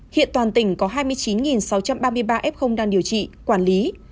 hiện toàn tỉnh có hai mươi chín sáu trăm ba mươi ba f đang điều trị quản lý